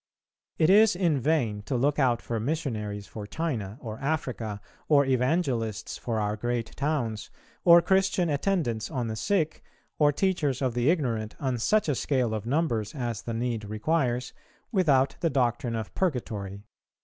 It is in vain to look out for missionaries for China or Africa, or evangelists for our great towns, or Christian attendants on the sick, or teachers of the ignorant, on such a scale of numbers as the need requires, without the doctrine of Purgatory.